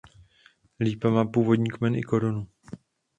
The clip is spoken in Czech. Lípa má původní kmen i korunu.